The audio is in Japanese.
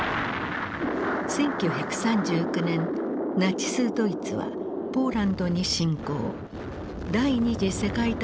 １９３９年ナチスドイツはポーランドに侵攻。